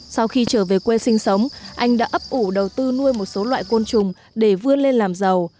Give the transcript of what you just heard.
sau khi trở về quê sinh sống anh đã ấp ủ đầu tư nuôi một số loại côn trùng để vươn lên làm giàu